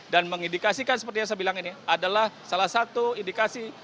dan mengindikasikan seperti yang saya bilang ini adalah salah satu indikasi